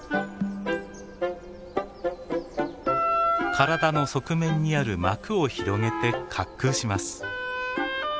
体の側面にある膜を広げて滑空します。